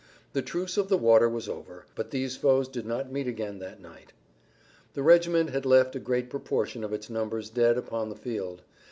The truce of the water was over, but these foes did not meet again that night. The regiment had left a great proportion of its numbers dead upon the field.